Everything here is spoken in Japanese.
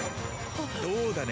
どうだね